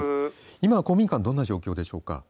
今、公民館どんな状況でしょうか。